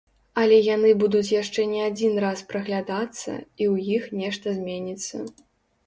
Але яны будуць яшчэ не адзін раз праглядацца і ў іх нешта зменіцца.